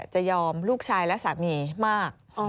จะยอมลูกชายและสามีมาก